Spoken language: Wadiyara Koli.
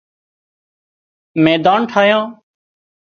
ميڌان ٺاهيان